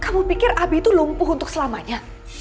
kamu pikir abi itu lumpuh untuk selamanya